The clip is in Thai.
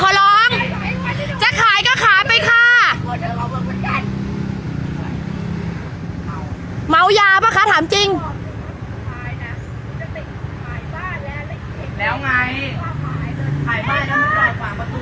ไปจอกฝั่งประตูเอาไปทำไมที่รู้จักบ้างไหมที่รู้จักหรอเปล่า